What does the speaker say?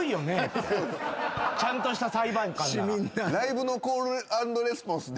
ちゃんとした裁判官なら。